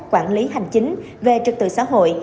quản lý hành chính về trực tự xã hội